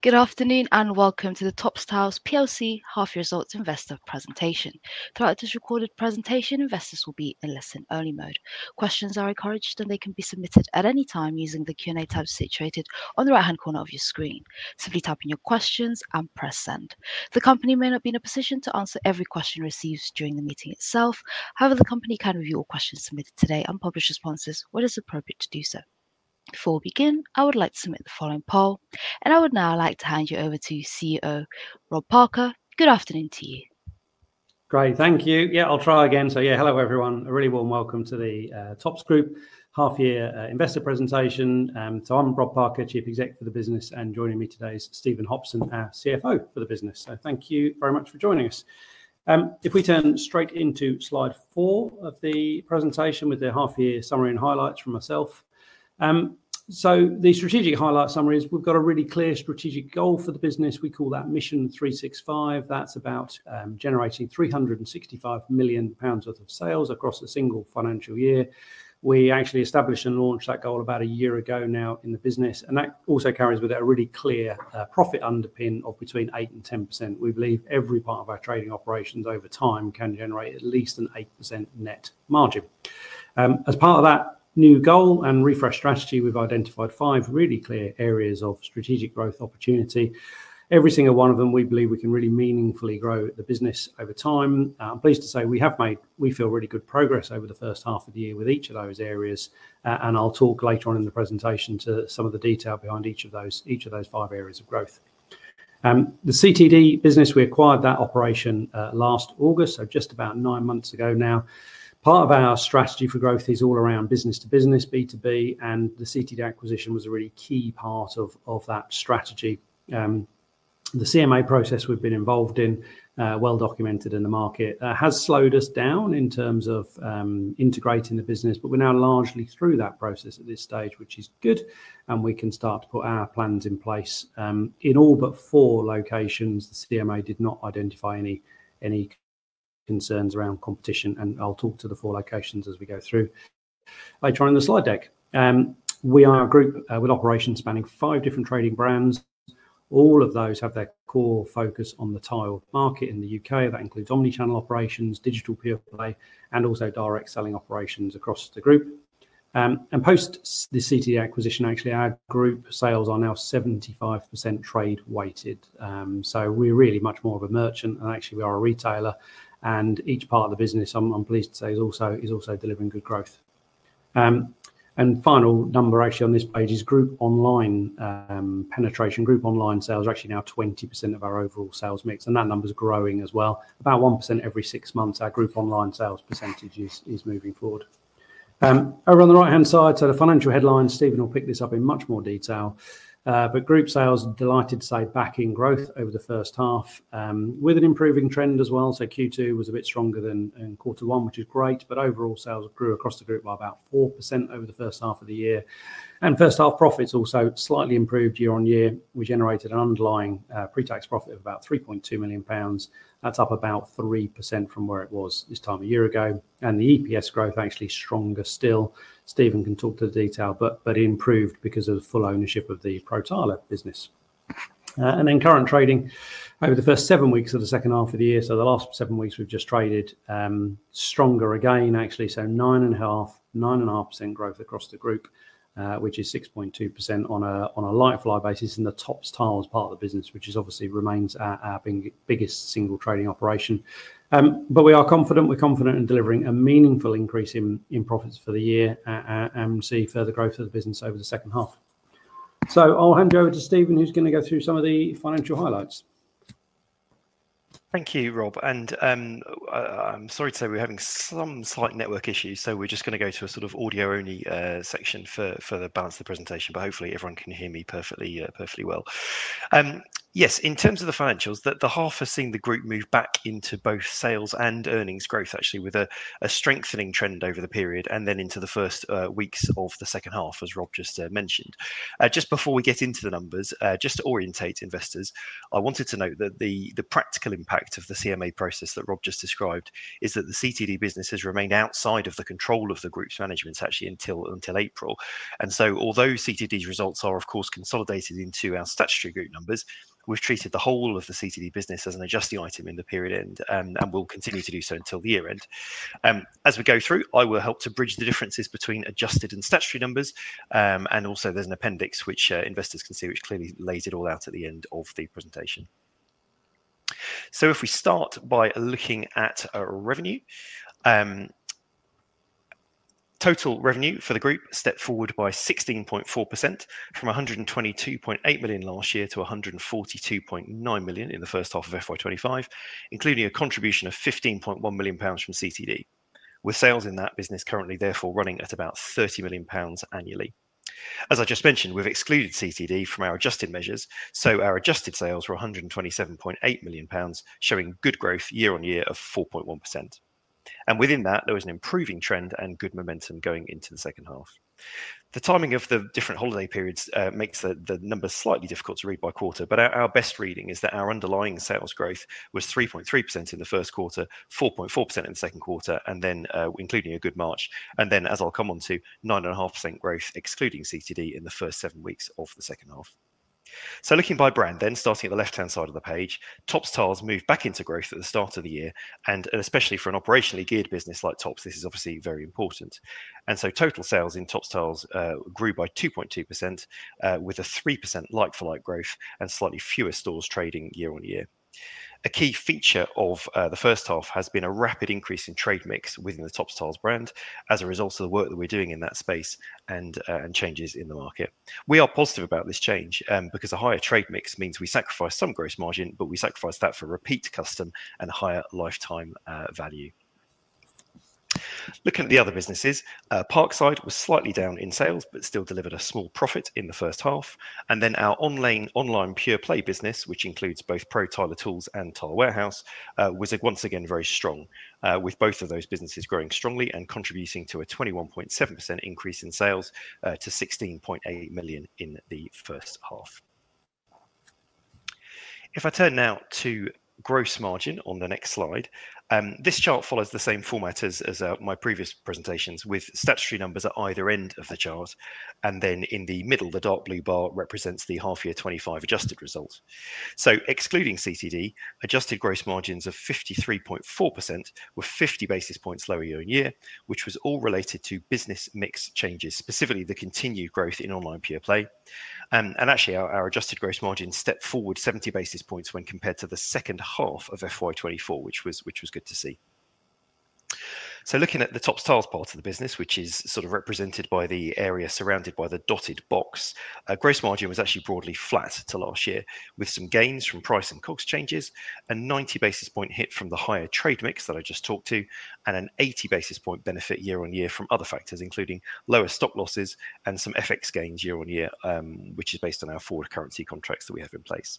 Good afternoon and welcome to the Topps Tiles plc half-year results investor presentation. Throughout this recorded presentation, investors will be in listen-only mode. Questions are encouraged, and they can be submitted at any time using the Q&A tab situated on the right-hand corner of your screen. Simply type in your questions and press send. The company may not be in a position to answer every question received during the meeting itself. However, the company can review all questions submitted today and publish responses when it is appropriate to do so. Before we begin, I would like to submit the following poll, and I would now like to hand you over to CEO Rob Parker. Good afternoon to you. Great, thank you. Yeah, I'll try again. Yeah, hello everyone. A really warm welcome to the Topps Group half-year investor presentation. I'm Rob Parker, Chief Executive for the business, and joining me today is Stephen Hopson, our CFO for the business. Thank you very much for joining us. If we turn straight into slide four of the presentation with the half-year summary and highlights from myself. The strategic highlight summary is we've got a really clear strategic goal for the business. We call that Mission 365. That's about generating 365 million pounds worth of sales across a single financial year. We actually established and launched that goal about a year ago now in the business, and that also carries with it a really clear profit underpin of between 8% and 10%. We believe every part of our trading operations over time can generate at least an 8% net margin. As part of that new goal and refreshed strategy, we've identified five really clear areas of strategic growth opportunity. Every single one of them, we believe we can really meaningfully grow the business over time. I'm pleased to say we have made, we feel, really good progress over the first half of the year with each of those areas, and I'll talk later on in the presentation to some of the detail behind each of those five areas of growth. The CTD business, we acquired that operation last August, so just about nine months ago now. Part of our strategy for growth is all around business-to-business, B2B, and the CTD acquisition was a really key part of that strategy. The CMA process we've been involved in, well documented in the market, has slowed us down in terms of integrating the business, but we're now largely through that process at this stage, which is good, and we can start to put our plans in place in all but four locations. The CMA did not identify any concerns around competition, and I'll talk to the four locations as we go through by throwing the slide deck. We are a group with operations spanning five different trading brands. All of those have their core focus on the tile market in the U.K. That includes omnichannel operations, digital pure play, and also direct selling operations across the group. Post the CTD acquisition, actually, our group sales are now 75% trade-weighted. We're really much more of a merchant, and actually, we are a retailer, and each part of the business, I'm pleased to say, is also delivering good growth. The final number actually on this page is group online penetration. Group online sales are actually now 20% of our overall sales mix, and that number's growing as well. About 1% every six months, our group online sales percentage is moving forward. Over on the right-hand side, the financial headlines, Stephen will pick this up in much more detail, but group sales, delighted to say, back in growth over the first half with an improving trend as well. Q2 was a bit stronger than Quarter One, which is great, but overall sales grew across the group by about 4% over the first half of the year. First half profits also slightly improved year on year. We generated an underlying pre-tax profit of about 3.2 million pounds. That's up about 3% from where it was this time a year ago. The EPS growth, actually stronger still. Stephen can talk to the detail, but it improved because of full ownership of the ProTiler Tools business. Current trading over the first seven weeks of the second half of the year, the last seven weeks, we've just traded stronger again, actually. Nine and a half, 9.5% growth across the group, which is 6.2% on a like-for-like basis in the Topps Tiles part of the business, which obviously remains our biggest single trading operation. We are confident. We're confident in delivering a meaningful increase in profits for the year and see further growth of the business over the second half. I'll hand you over to Stephen, who's going to go through some of the financial highlights. Thank you, Rob. I'm sorry to say we're having some slight network issues, so we're just going to go to a sort of audio-only section for the balance of the presentation, but hopefully everyone can hear me perfectly well. Yes, in terms of the financials, the half has seen the group move back into both sales and earnings growth, actually, with a strengthening trend over the period and then into the first weeks of the second half, as Rob just mentioned. Just before we get into the numbers, just to orientate investors, I wanted to note that the practical impact of the CMA process that Rob just described is that the CTD business has remained outside of the control of the group's management, actually, until April. Although CTD's results are, of course, consolidated into our statutory group numbers, we've treated the whole of the CTD business as an adjusting item in the period end and will continue to do so until the year end. As we go through, I will help to bridge the differences between adjusted and statutory numbers, and also there's an appendix which investors can see, which clearly lays it all out at the end of the presentation. If we start by looking at revenue, total revenue for the group stepped forward by 16.4% from 122.8 million last year to 142.9 million in the first half of FY2025, including a contribution of 15.1 million pounds from CTD, with sales in that business currently therefore running at about 30 million pounds annually. As I just mentioned, we have excluded CTD from our adjusted measures, so our adjusted sales were 127.8 million pounds, showing good growth year on year of 4.1%. Within that, there was an improving trend and good momentum going into the second half. The timing of the different holiday periods makes the numbers slightly difficult to read by quarter, but our best reading is that our underlying sales growth was 3.3% in the first quarter, 4.4% in the second quarter, and then including a good March. As I will come on to, 9.5% growth excluding CTD in the first seven weeks of the second half. Looking by brand then, starting at the left-hand side of the page, Topps Tiles moved back into growth at the start of the year, and especially for an operationally geared business like Topps, this is obviously very important. Total sales in Topps Tiles grew by 2.2% with a 3% like-for-like growth and slightly fewer stores trading year on year. A key feature of the first half has been a rapid increase in trade mix within the Topps Tiles brand as a result of the work that we're doing in that space and changes in the market. We are positive about this change because a higher trade mix means we sacrifice some gross margin, but we sacrifice that for repeat custom and higher lifetime value. Looking at the other businesses, Parkside was slightly down in sales but still delivered a small profit in the first half. Our online pure play business, which includes both ProTiler Tools and Tile Warehouse, was once again very strong, with both of those businesses growing strongly and contributing to a 21.7% increase in sales to 16.8 million in the first half. If I turn now to gross margin on the next slide, this chart follows the same format as my previous presentations, with statutory numbers at either end of the chart, and then in the middle, the dark blue bar represents the half-year 2025 adjusted results. Excluding CTD, adjusted gross margins of 53.4% were 50 basis points lower year on year, which was all related to business mix changes, specifically the continued growth in online pure play. Actually, our adjusted gross margin stepped forward 70 basis points when compared to the second half of fiscal year 2024, which was good to see. Looking at the Topps Tiles part of the business, which is sort of represented by the area surrounded by the dotted box, gross margin was actually broadly flat to last year, with some gains from price and cost changes, a 90 basis point hit from the higher trade mix that I just talked to, and an 80 basis point benefit year on year from other factors, including lower stock losses and some FX gains year on year, which is based on our forward currency contracts that we have in place.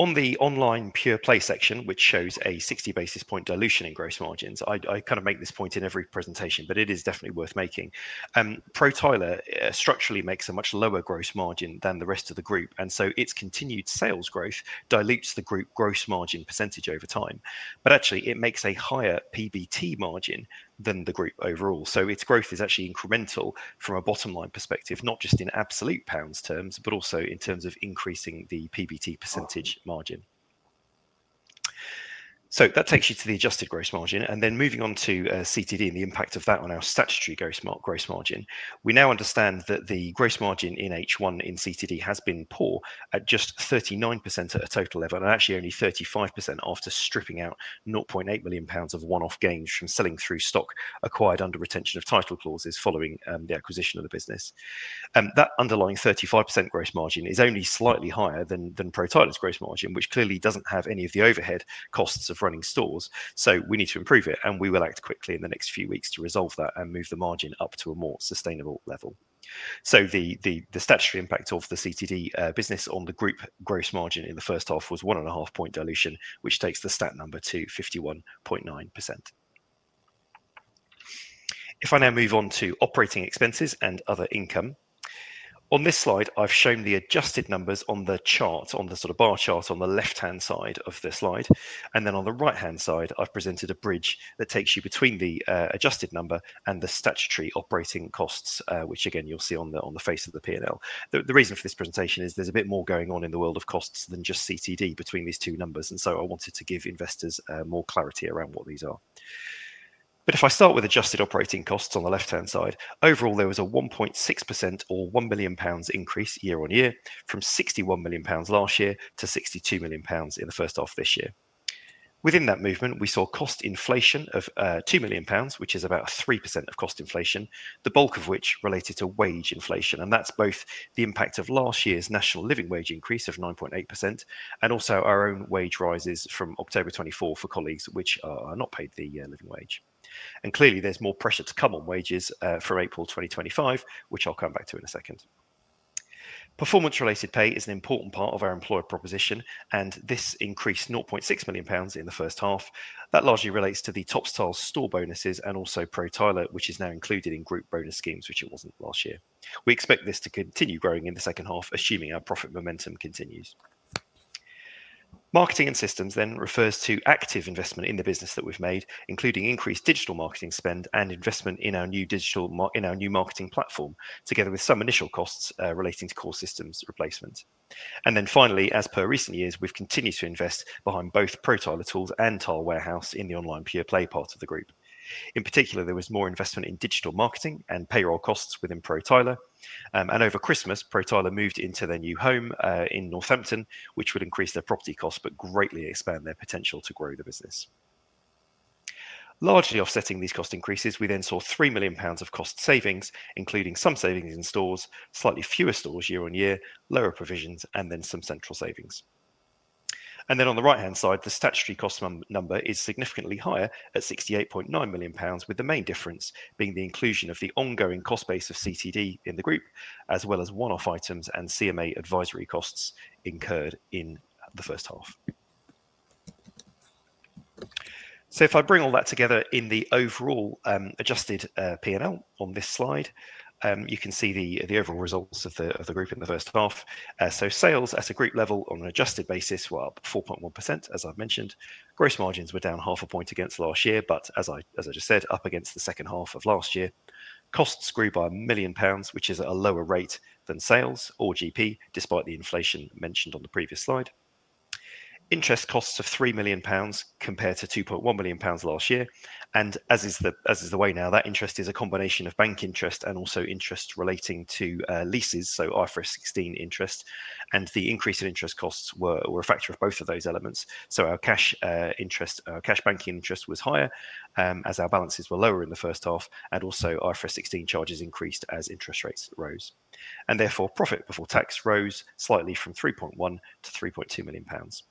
On the online pure play section, which shows a 60 basis point dilution in gross margins, I kind of make this point in every presentation, but it is definitely worth making. ProTiler structurally makes a much lower gross margin than the rest of the group, and so its continued sales growth dilutes the group gross margin percentage over time, but actually, it makes a higher PBT margin than the group overall. Its growth is actually incremental from a bottom-line perspective, not just in absolute pounds terms, but also in terms of increasing the PBT % margin. That takes you to the adjusted gross margin, and then moving on to CTD and the impact of that on our statutory gross margin. We now understand that the gross margin in H1 in CTD has been poor at just 39% at a total level and actually only 35% after stripping out 0.8 million pounds of one-off gains from selling through stock acquired under retention of title clauses following the acquisition of the business. That underlying 35% gross margin is only slightly higher than ProTiler's gross margin, which clearly does not have any of the overhead costs of running stores. We need to improve it, and we will act quickly in the next few weeks to resolve that and move the margin up to a more sustainable level. The statutory impact of the CTD business on the group gross margin in the first half was one and a half percentage points dilution, which takes the stat number to 51.9%. If I now move on to operating expenses and other income, on this slide, I've shown the adjusted numbers on the chart, on the sort of bar chart on the left-hand side of the slide, and then on the right-hand side, I've presented a bridge that takes you between the adjusted number and the statutory operating costs, which again, you'll see on the face of the P&L. The reason for this presentation is there's a bit more going on in the world of costs than just CTD between these two numbers, and I wanted to give investors more clarity around what these are. If I start with adjusted operating costs on the left-hand side, overall, there was a 1.6% or 1 million pounds increase year on year from 61 million pounds last year to 62 million pounds in the first half of this year. Within that movement, we saw cost inflation of 2 million pounds, which is about 3% of cost inflation, the bulk of which related to wage inflation, and that is both the impact of last year's national living wage increase of 9.8% and also our own wage rises from October 2024 for colleagues, which are not paid the living wage. Clearly, there is more pressure to come on wages for April 2025, which I will come back to in a second. Performance-related pay is an important part of our employer proposition, and this increased 0.6 million pounds in the first half. That largely relates to the Topps Tiles store bonuses and also ProTiler, which is now included in group bonus schemes, which it was not last year. We expect this to continue growing in the second half, assuming our profit momentum continues. Marketing and systems then refers to active investment in the business that we've made, including increased digital marketing spend and investment in our new digital, in our new marketing platform, together with some initial costs relating to core systems replacement. Finally, as per recent years, we've continued to invest behind both ProTiler Tools and Tile Warehouse in the online pure play part of the group. In particular, there was more investment in digital marketing and payroll costs within ProTiler, and over Christmas, ProTiler moved into their new home in Northampton, which would increase their property costs but greatly expand their potential to grow the business. Largely offsetting these cost increases, we then saw 3 million pounds of cost savings, including some savings in stores, slightly fewer stores year on year, lower provisions, and then some central savings. On the right-hand side, the statutory cost number is significantly higher at 68.9 million pounds, with the main difference being the inclusion of the ongoing cost base of CTD in the group, as well as one-off items and CMA advisory costs incurred in the first half. If I bring all that together in the overall adjusted P&L on this slide, you can see the overall results of the group in the first half. Sales at a group level on an adjusted basis were up 4.1%, as I've mentioned. Gross margins were down half a point against last year, but as I just said, up against the second half of last year. Costs grew by 1 million pounds, which is at a lower rate than sales or GP, despite the inflation mentioned on the previous slide. Interest costs of 3 million pounds compared to 2.1 million pounds last year. As is the way now, that interest is a combination of bank interest and also interest relating to leases, so IFRS 16 interest, and the increase in interest costs were a factor of both of those elements. Our cash interest, our cash banking interest was higher as our balances were lower in the first half, and also IFRS 16 charges increased as interest rates rose. Therefore, profit before tax rose slightly from 3.1 million to 3.2 million pounds.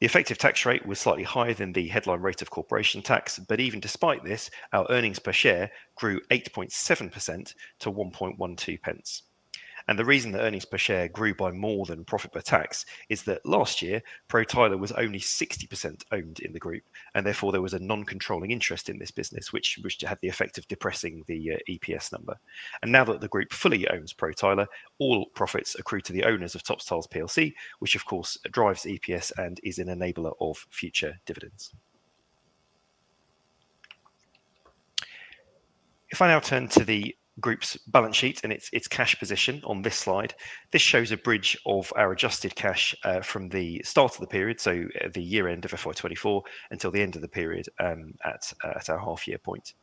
The effective tax rate was slightly higher than the headline rate of corporation tax, but even despite this, our earnings per share grew 8.7% to 1.12. The reason the earnings per share grew by more than profit before tax is that last year, ProTiler Tools was only 60% owned in the group, and therefore there was a non-controlling interest in this business, which had the effect of depressing the EPS number. Now that the group fully owns ProTiler, all profits accrue to the owners of Topps Tiles, which of course drives EPS and is an enabler of future dividends. If I now turn to the group's balance sheet and its cash position on this slide, this shows a bridge of our adjusted cash from the start of the period, so the year end of FY 2024 until the end of the period at our half-year point.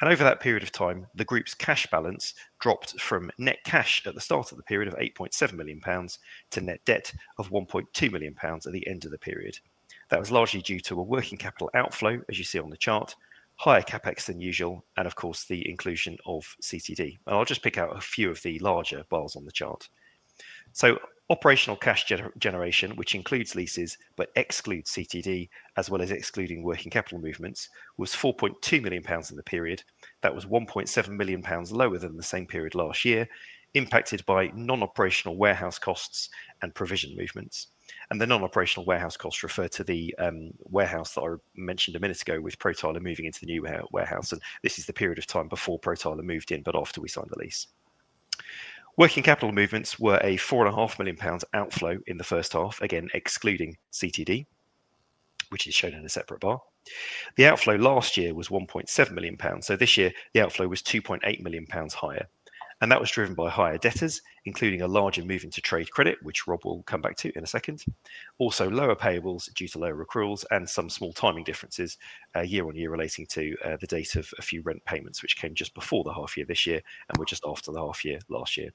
Over that period of time, the group's cash balance dropped from net cash at the start of the period of 8.7 million pounds to net debt of 1.2 million pounds at the end of the period. That was largely due to a working capital outflow, as you see on the chart, higher CapEx than usual, and of course, the inclusion of CTD. I will just pick out a few of the larger bars on the chart. Operational cash generation, which includes leases but excludes CTD, as well as excluding working capital movements, was 4.2 million pounds in the period. That was 1.7 million pounds lower than the same period last year, impacted by non-operational warehouse costs and provision movements. The non-operational warehouse costs refer to the warehouse that I mentioned a minute ago with ProTiler moving into the new warehouse. This is the period of time before ProTiler moved in, but after we signed the lease. Working capital movements were a 4.5 million pounds outflow in the first half, again, excluding CTD, which is shown in a separate bar. The outflow last year was 1.7 million pounds, so this year the outflow was 2.8 million pounds higher. That was driven by higher debtors, including a larger move into trade credit, which Rob will come back to in a second. Also, lower payables due to lower accruals and some small timing differences year on year relating to the date of a few rent payments, which came just before the half-year this year and were just after the half-year last year.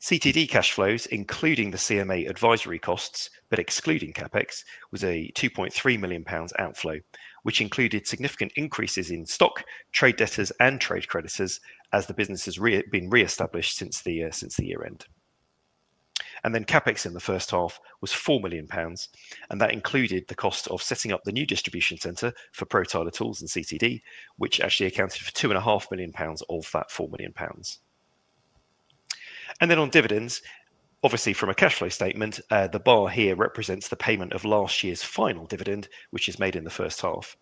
CTD cash flows, including the CMA advisory costs, but excluding CapEx, was a 2.3 million pounds outflow, which included significant increases in stock, trade debtors, and trade creditors as the business has been reestablished since the year end. CapEx in the first half was 4 million pounds, and that included the cost of setting up the new distribution centre for ProTiler Tools and CTD, which actually accounted for 2.5 million pounds of that 4 million pounds. On dividends, obviously from a cash flow statement, the bar here represents the payment of last year's final dividend, which is made in the first half.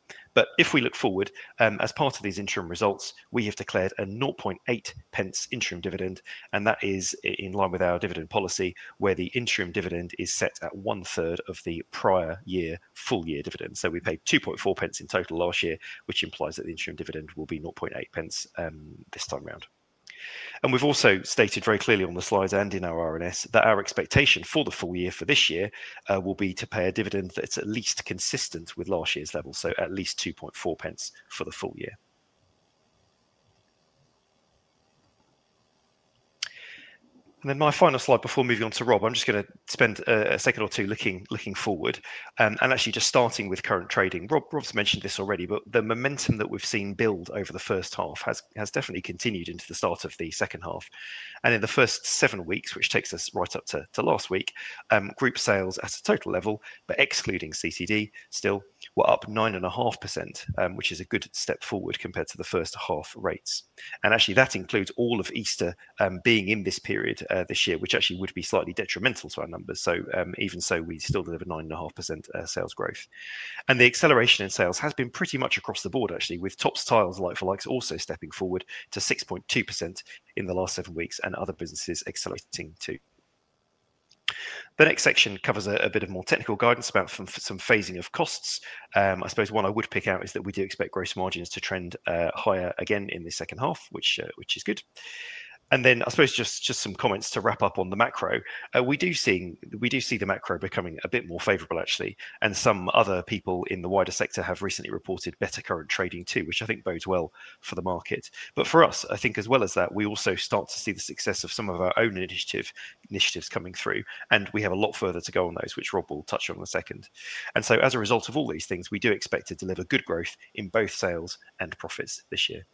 If we look forward, as part of these interim results, we have declared a 0.8 interim dividend, and that is in line with our dividend policy, where the interim dividend is set at one-third of the prior year full-year dividend. We paid 2.4 in total last year, which implies that the interim dividend will be 0.8 this time around. We have also stated very clearly on the slides and in our R&S that our expectation for the full year for this year will be to pay a dividend that is at least consistent with last year's level, so at least 2.4 for the full year. My final slide before moving on to Rob, I'm just going to spend a second or two looking forward and actually just starting with current trading. Rob's mentioned this already, but the momentum that we've seen build over the first half has definitely continued into the start of the second half. In the first seven weeks, which takes us right up to last week, group sales at a total level, but excluding CTD still, were up 9.5%, which is a good step forward compared to the first half rates. That includes all of Easter being in this period this year, which actually would be slightly detrimental to our numbers. Even so, we still deliver 9.5% sales growth. The acceleration in sales has been pretty much across the board, actually, with Topps Tiles like-for-likes also stepping forward to 6.2% in the last seven weeks and other businesses accelerating too. The next section covers a bit of more technical guidance about some phasing of costs. I suppose one I would pick out is that we do expect gross margins to trend higher again in the second half, which is good. I suppose just some comments to wrap up on the macro. We do see the macro becoming a bit more favorable, actually, and some other people in the wider sector have recently reported better current trading too, which I think bodes well for the market. For us, I think as well as that, we also start to see the success of some of our own initiatives coming through, and we have a lot further to go on those, which Rob will touch on in a second. As a result of all these things, we do expect to deliver good growth in both sales and profits this year.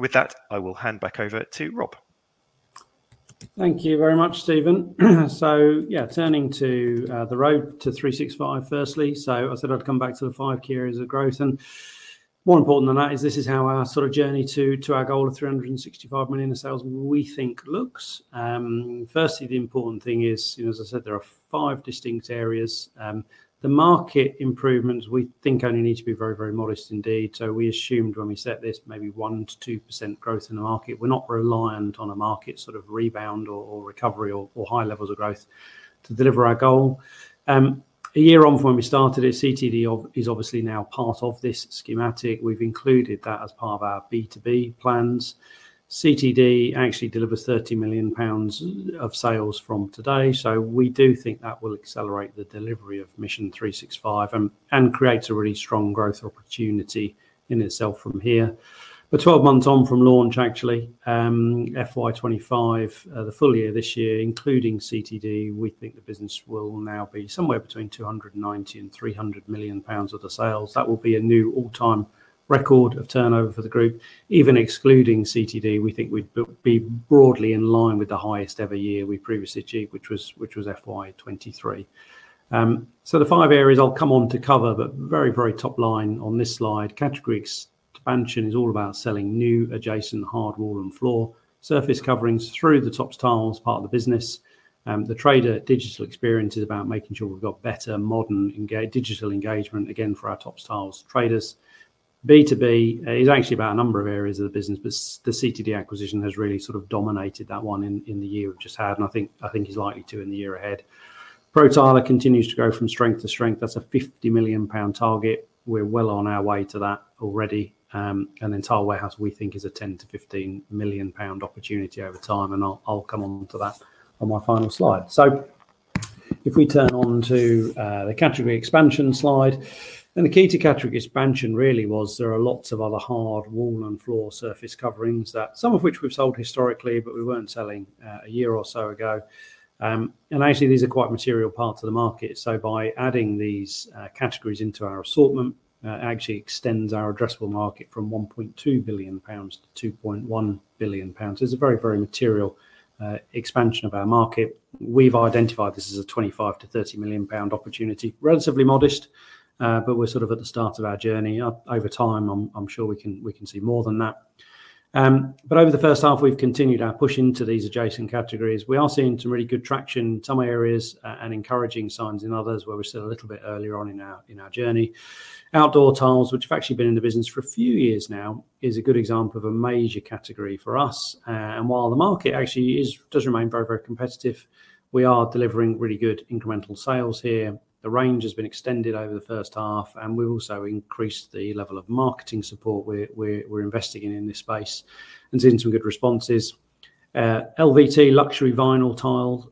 With that, I will hand back over to Rob. Thank you very much, Stephen. Yeah, turning to the road to 365 firstly. I said I'd come back to the five key areas of growth. More important than that is this is how our sort of journey to our goal of 365 million of sales we think looks. Firstly, the important thing is, as I said, there are five distinct areas. The market improvements we think only need to be very, very modest indeed. So, we assumed when we set this maybe 1-2% growth in the market, we're not reliant on a market sort of rebound or recovery or high levels of growth to deliver our goal. A year on from when we started, CTD Tiles is obviously now part of this schematic. We've included that as part of our B2B plans. CTD Tiles actually delivers 30 million pounds of sales from today. So, we do think that will accelerate the delivery of mission 365 and create a really strong growth opportunity in itself from here. But 12 months on from launch, actually, FY 2025, the full year this year, including CTD Tiles, we think the business will now be somewhere between 290-300 million pounds of the sales. That will be a new all-time record of turnover for the group. Even excluding CTD, we think we'd be broadly in line with the highest ever year we previously achieved, which was FY2023. The five areas I'll come on to cover, but very, very top line on this slide, category expansion is all about selling new adjacent hard wall and floor surface coverings through the Topps Tiles part of the business. The trader digital experience is about making sure we've got better modern digital engagement again for our Topps Tiles traders. B2B is actually about a number of areas of the business, but the CTD acquisition has really sort of dominated that one in the year we've just had, and I think is likely to in the year ahead. ProTiler continues to grow from strength to strength. That's a 50 million pound target. We're well on our way to that already. Tile Warehouse, we think, is a 10 million-15 million pound opportunity over time, and I'll come on to that on my final slide. If we turn on to the category expansion slide, the key to category expansion really was there are lots of other hard wall and floor surface coverings, some of which we've sold historically, but we weren't selling a year or so ago. Actually, these are quite material parts of the market. By adding these categories into our assortment, it actually extends our addressable market from 1.2 billion pounds to 2.1 billion pounds. It's a very, very material expansion of our market. We've identified this as a 25 million-30 million pound opportunity, relatively modest, but we're sort of at the start of our journey. Over time, I'm sure we can see more than that. Over the first half, we've continued our push into these adjacent categories. We are seeing some really good traction in some areas and encouraging signs in others where we're still a little bit earlier on in our journey. Outdoor tiles, which have actually been in the business for a few years now, is a good example of a major category for us. While the market actually does remain very, very competitive, we are delivering really good incremental sales here. The range has been extended over the first half, and we've also increased the level of marketing support we're investing in this space and seeing some good responses. LVT luxury vinyl tile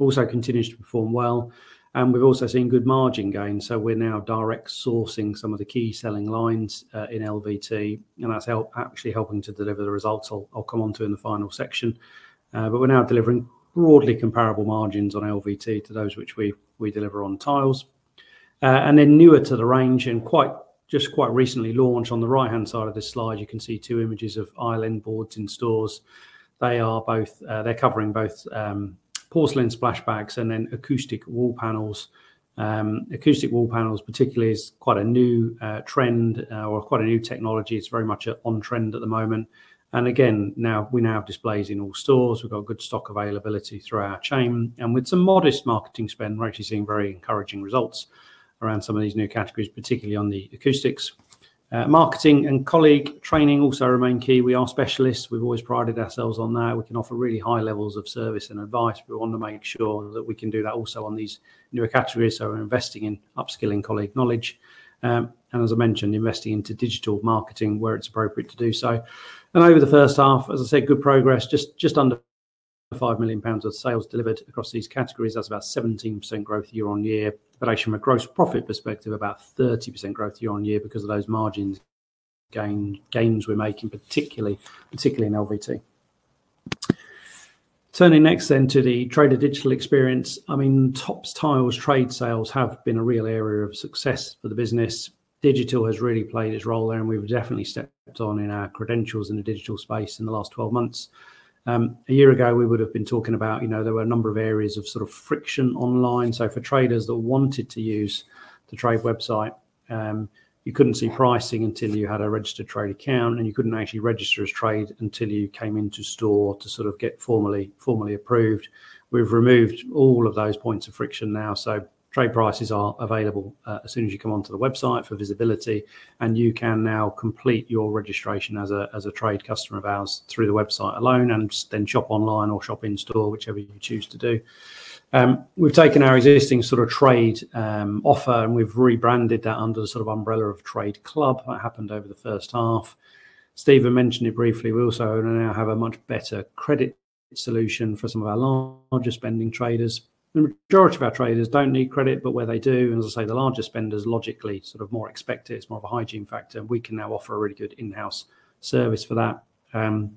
also continues to perform well, and we've also seen good margin gain. We're now direct sourcing some of the key selling lines in LVT, and that's actually helping to deliver the results I'll come on to in the final section. We're now delivering broadly comparable margins on LVT to those which we deliver on tiles. Newer to the range and quite recently launched, on the right-hand side of this slide, you can see two images of island boards in stores. They are covering both porcelain splashbacks and acoustic wall panels. Acoustic wall panels, particularly, is quite a new trend or quite a new technology. It's very much on trend at the moment. We now have displays in all stores. We've got good stock availability throughout our chain. With some modest marketing spend, we're actually seeing very encouraging results around some of these new categories, particularly on the acoustics. Marketing and colleague training also remain key. We are specialists. We've always prided ourselves on that. We can offer really high levels of service and advice, but we want to make sure that we can do that also on these newer categories. We are investing in upskilling colleague knowledge. As I mentioned, investing into digital marketing where it's appropriate to do so. Over the first half, as I said, good progress. Just under 5 million pounds of sales delivered across these categories. That's about 17% growth year on year. Actually, from a gross profit perspective, about 30% growth year on year because of those margin gains we're making, particularly in LVT. Turning next to the trader digital experience. I mean, Topps Tiles trade sales have been a real area of success for the business. Digital has really played its role there, and we've definitely stepped on in our credentials in the digital space in the last 12 months. A year ago, we would have been talking about, you know, there were a number of areas of sort of friction online. For traders that wanted to use the trade website, you couldn't see pricing until you had a registered trade account, and you couldn't actually register as trade until you came into store to sort of get formally approved. We've removed all of those points of friction now. Trade prices are available as soon as you come onto the website for visibility, and you can now complete your registration as a trade customer of ours through the website alone and then shop online or shop in store, whichever you choose to do. We've taken our existing sort of trade offer, and we've rebranded that under the sort of umbrella of Trade Club. That happened over the first half. Stephen mentioned it briefly. We also now have a much better credit solution for some of our largest spending traders. The majority of our traders don't need credit, but where they do, and as I say, the largest spenders logically sort of more expect it. It's more of a hygiene factor, and we can now offer a really good in-house service for that. Over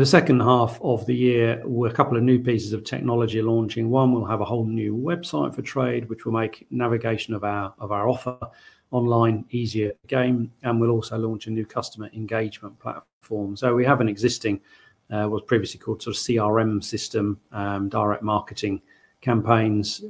the second half of the year, we're a couple of new pieces of technology launching. One, we'll have a whole new website for trade, which will make navigation of our offer online easier to gain. We'll also launch a new customer engagement platform. We have an existing, what was previously called sort of CRM system, direct marketing campaigns,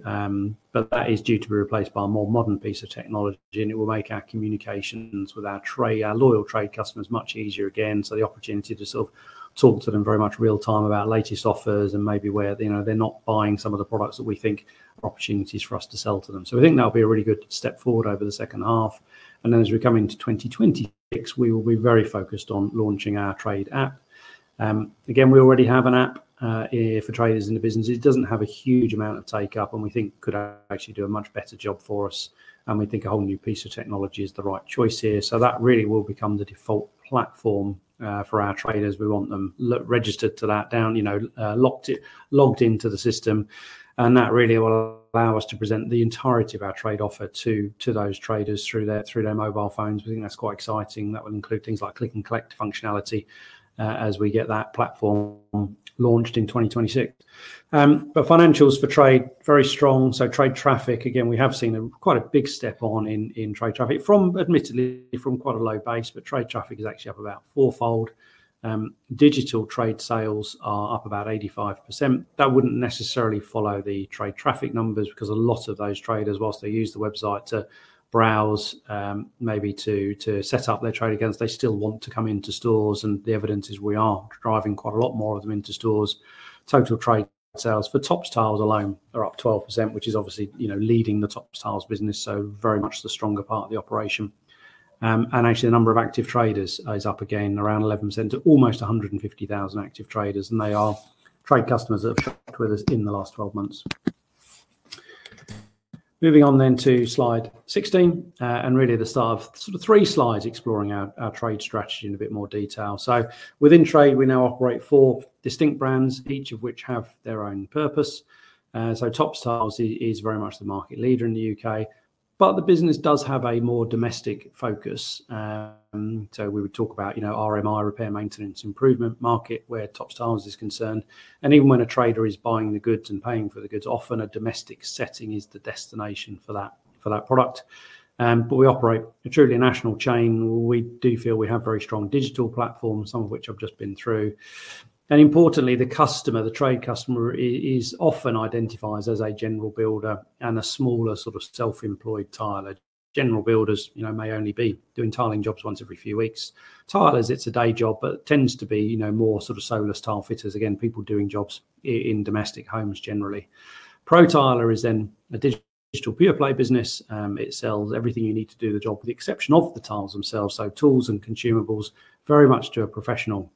but that is due to be replaced by a more modern piece of technology, and it will make our communications with our trade, our loyal trade customers much easier again. The opportunity to sort of talk to them very much real-time about latest offers and maybe where they're not buying some of the products that we think are opportunities for us to sell to them. We think that'll be a really good step forward over the second half. As we come into 2026, we will be very focused on launching our trade app. Again, we already have an app for traders in the business. It does not have a huge amount of take-up, and we think could actually do a much better job for us. We think a whole new piece of technology is the right choice here. That really will become the default platform for our traders. We want them registered to that, you know, logged into the system. That really will allow us to present the entirety of our trade offer to those traders through their mobile phones. We think that's quite exciting. That will include things like click and collect functionality as we get that platform launched in 2026. Financials for trade, very strong. Trade traffic, again, we have seen quite a big step on in trade traffic, admittedly from quite a low base, but trade traffic is actually up about four-fold. Digital trade sales are up about 85%. That would not necessarily follow the trade traffic numbers because a lot of those traders, whilst they use the website to browse, maybe to set up their trade accounts, they still want to come into stores. The evidence is we are driving quite a lot more of them into stores. Total trade sales for Topps Tiles alone are up 12%, which is obviously, you know, leading the Topps Tiles business, so very much the stronger part of the operation. Actually, the number of active traders is up again around 11% to almost 150,000 active traders. They are trade customers that have shopped with us in the last 12 months. Moving on then to slide 16 and really the start of sort of three slides exploring our trade strategy in a bit more detail. Within trade, we now operate four distinct brands, each of which have their own purpose. Topps Tiles is very much the market leader in the U.K., but the business does have a more domestic focus. We would talk about, you know, RMI, repair, maintenance, improvement market where Topps Tiles is concerned. Even when a trader is buying the goods and paying for the goods, often a domestic setting is the destination for that product. We operate a truly national chain. We do feel we have very strong digital platforms, some of which I've just been through. Importantly, the customer, the trade customer, often identifies as a general builder and a smaller sort of self-employed tiler. General builders, you know, may only be doing tiling jobs once every few weeks. Tilers, it's a day job, but it tends to be, you know, more sort of solar style fitters. Again, people doing jobs in domestic homes generally. ProTiler is then a digital pure play business. It sells everything you need to do the job with the exception of the tiles themselves. Tools and consumables, very much to a professional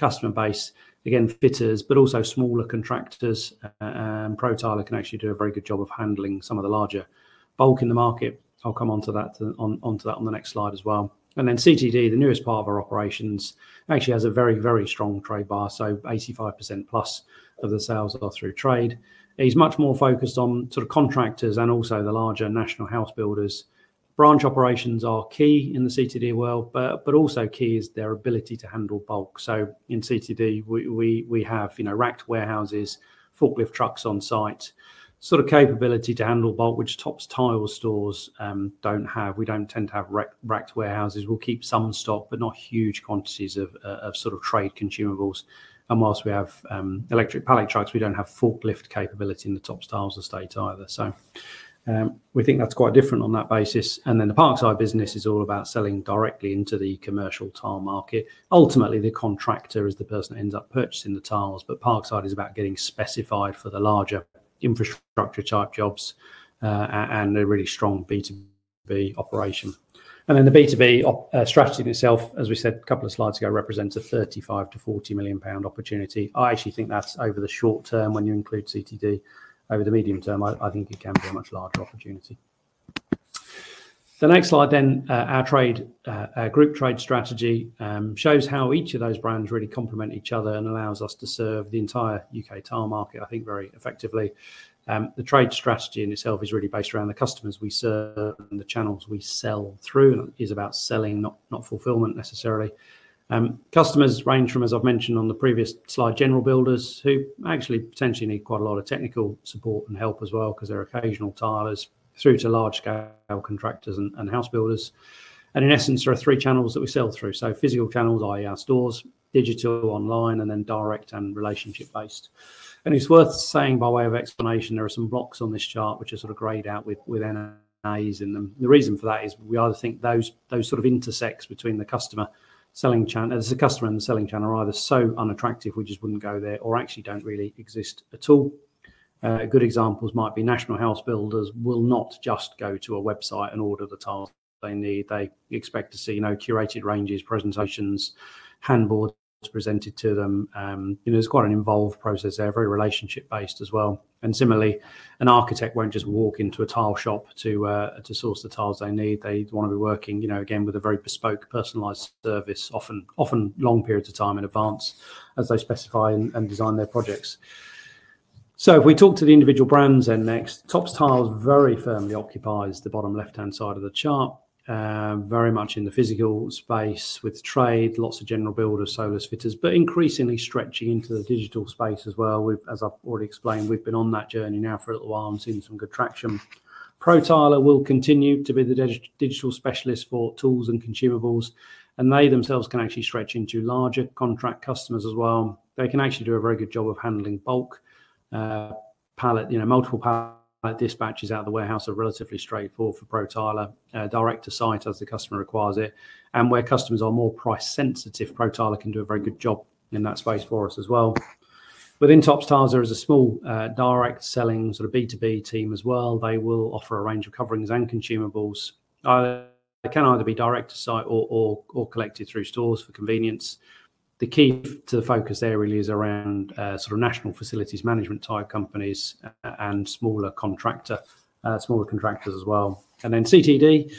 customer base. Again, fitters, but also smaller contractors. ProTiler can actually do a very good job of handling some of the larger bulk in the market. I'll come on to that on the next slide as well. CTD, the newest part of our operations, actually has a very, very strong trade bar. 85% plus of the sales are through trade. It's much more focused on sort of contractors and also the larger national house builders. Branch operations are key in the CTD world, but also key is their ability to handle bulk. In CTD, we have, you know, racked warehouses, forklift trucks on site, sort of capability to handle bulk, which Topps Tiles stores do not have. We do not tend to have racked warehouses. We will keep some stock, but not huge quantities of sort of trade consumables. Whilst we have electric pallet trucks, we do not have forklift capability in the Topps Tiles estate either. We think that is quite different on that basis. The Parkside business is all about selling directly into the commercial tile market. Ultimately, the contractor is the person that ends up purchasing the tiles, but Parkside is about getting specified for the larger infrastructure type jobs and a really strong B2B operation. The B2B strategy in itself, as we said a couple of slides ago, represents a 35 million-40 million pound opportunity. I actually think that's over the short term when you include CTD. Over the medium term, I think it can be a much larger opportunity. The next slide then, our trade group trade strategy shows how each of those brands really complement each other and allows us to serve the entire U.K. tile market, I think, very effectively. The trade strategy in itself is really based around the customers we serve and the channels we sell through and is about selling, not fulfillment necessarily. Customers range from, as I've mentioned on the previous slide, general builders who actually potentially need quite a lot of technical support and help as well because they're occasional tilers through to large scale contractors and house builders. In essence, there are three channels that we sell through. Physical channels, i.e., our stores, digital online, and then direct and relationship based. It is worth saying by way of explanation, there are some blocks on this chart which are sort of grayed out with NIAs in them. The reason for that is we either think those sort of intersects between the customer selling channel, the customer and the selling channel are either so unattractive, we just would not go there or actually do not really exist at all. Good examples might be national house builders will not just go to a website and order the tiles they need. They expect to see, you know, curated ranges, presentations, handboards presented to them. You know, there is quite an involved process there, very relationship based as well. Similarly, an architect won't just walk into a tile shop to source the tiles they need. They want to be working, you know, again, with a very bespoke personalized service, often long periods of time in advance as they specify and design their projects. If we talk to the individual brands then next, Topps Tiles very firmly occupies the bottom left-hand side of the chart, very much in the physical space with trade, lots of general builders, solars, fitters, but increasingly stretching into the digital space as well. As I've already explained, we've been on that journey now for a little while and seen some good traction. ProTiler will continue to be the digital specialist for tools and consumables, and they themselves can actually stretch into larger contract customers as well. They can actually do a very good job of handling bulk pallet, you know, multiple pallet dispatches out of the warehouse are relatively straightforward for ProTiler, direct to site as the customer requires it. Where customers are more price sensitive, ProTiler can do a very good job in that space for us as well. Within Topps Tiles, there is a small direct selling sort of B2B team as well. They will offer a range of coverings and consumables. They can either be direct to site or collected through stores for convenience. The key to the focus there really is around sort of national facilities management type companies and smaller contractors, smaller contractors as well. CTD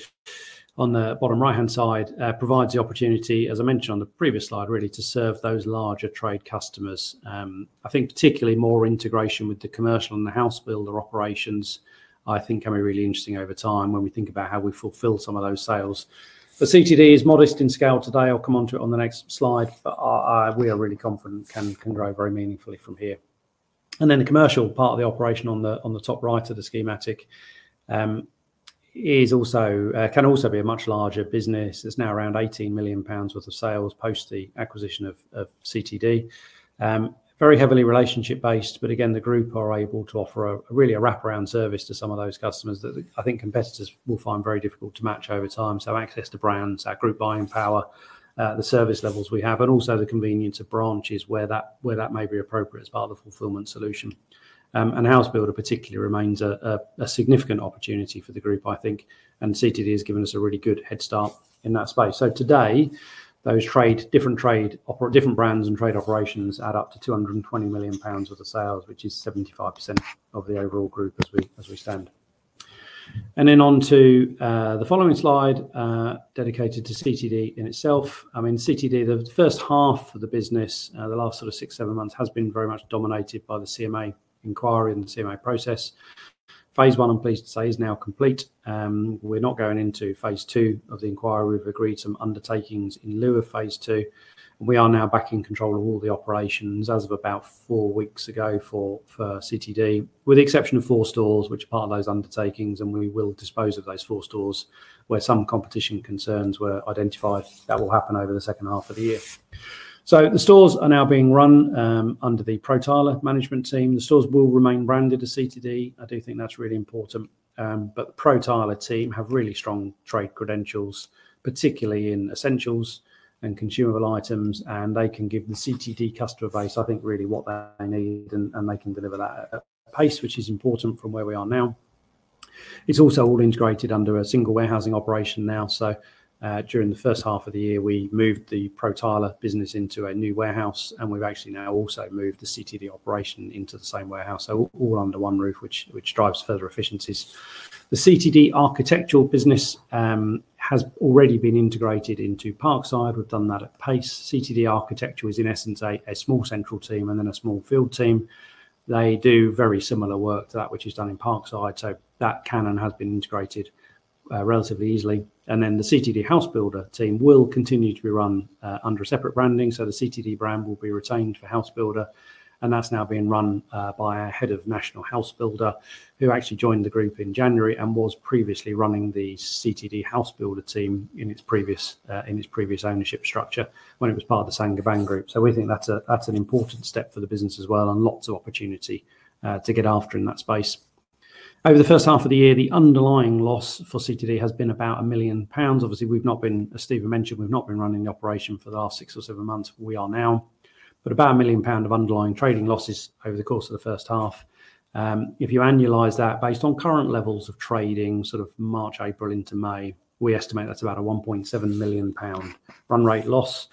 on the bottom right-hand side provides the opportunity, as I mentioned on the previous slide, really to serve those larger trade customers. I think particularly more integration with the commercial and the house builder operations, I think, can be really interesting over time when we think about how we fulfill some of those sales. CTD Tiles is modest in scale today. I'll come on to it on the next slide, but we are really confident it can grow very meaningfully from here. The commercial part of the operation on the top right of the schematic can also be a much larger business. It is now around 18 million pounds worth of sales post the acquisition of CTD Tiles. Very heavily relationship based, but again, the group are able to offer a really wraparound service to some of those customers that I think competitors will find very difficult to match over time. Access to brands, our group buying power, the service levels we have, and also the convenience of branches where that may be appropriate as part of the fulfillment solution. House builder particularly remains a significant opportunity for the group, I think, and CTD has given us a really good head start in that space. Today, those trade, different trade, different brands and trade operations add up to 220 million pounds worth of sales, which is 75% of the overall group as we stand. On to the following slide dedicated to CTD in itself. I mean, CTD, the first half of the business, the last sort of six, seven months has been very much dominated by the CMA inquiry and the CMA process. Phase one, I'm pleased to say, is now complete. We're not going into phase two of the inquiry. We've agreed some undertakings in lieu of phase two. We are now back in control of all the operations as of about four weeks ago for CTD, with the exception of four stores, which are part of those undertakings, and we will dispose of those four stores where some competition concerns were identified. That will happen over the second half of the year. The stores are now being run under the ProTiler management team. The stores will remain branded to CTD. I do think that's really important, but the ProTiler team have really strong trade credentials, particularly in essentials and consumable items, and they can give the CTD customer base, I think, really what they need, and they can deliver that at a pace which is important from where we are now. It's also all integrated under a single warehousing operation now. During the first half of the year, we moved the ProTiler business into a new warehouse, and we've actually now also moved the CTD operation into the same warehouse. All under one roof, which drives further efficiencies. The CTD architectural business has already been integrated into Parkside. We've done that at pace. CTD architecture is, in essence, a small central team and then a small field team. They do very similar work to that which is done in Parkside. That can and has been integrated relatively easily. The CTD house builder team will continue to be run under a separate branding. The CTD brand will be retained for house builder, and that's now being run by our Head of National House Builder who actually joined the group in January and was previously running the CTD house builder team in its previous ownership structure when it was part of the Sangaban Group. We think that's an important step for the business as well and lots of opportunity to get after in that space. Over the first half of the year, the underlying loss for CTD has been about 1 million pounds. Obviously, we've not been, as Stephen mentioned, we've not been running the operation for the last six or seven months. We are now, but about 1 million pound of underlying trading losses over the course of the first half. If you annualize that based on current levels of trading, sort of March, April into May, we estimate that's about a 1.7 million pound run rate loss.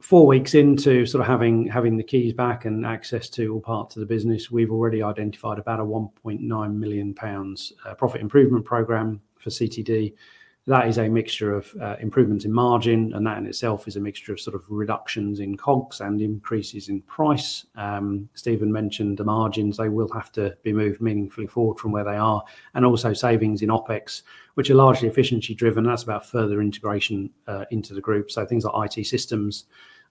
Four weeks into sort of having the keys back and access to all parts of the business, we've already identified about a 1.9 million pounds profit improvement program for CTD Tiles. That is a mixture of improvements in margin, and that in itself is a mixture of sort of reductions in COGS and increases in price. Stephen mentioned the margins. They will have to be moved meaningfully forward from where they are. Also, savings in OpEx, which are largely efficiency driven. That's about further integration into the group. Things like IT systems